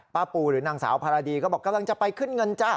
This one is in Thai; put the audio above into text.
ปูหรือนางสาวภารดีก็บอกกำลังจะไปขึ้นเงินจ้ะ